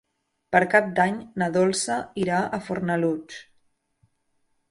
Per Cap d'Any na Dolça irà a Fornalutx.